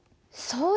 そう？